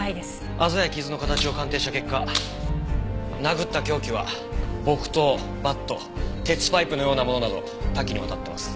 あざや傷の形を鑑定した結果殴った凶器は木刀バット鉄パイプのようなものなど多岐にわたってます。